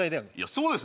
そうです